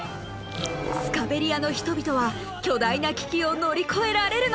スカベリアの人々は巨大な危機を乗り越えられるのか？